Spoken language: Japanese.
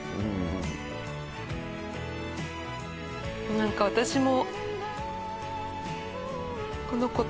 何か私も。